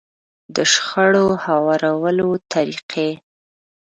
د شخړو هوارولو طريقې.